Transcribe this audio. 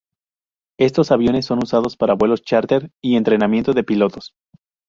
Estos aviones son usados para vuelos chárter y entrenamiento de pilotos.